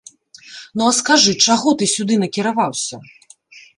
Ну, а скажы, чаго ты сюды накіраваўся?